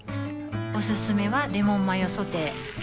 おすすめはレモンマヨソテー